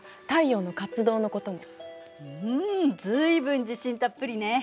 うん随分自信たっぷりね。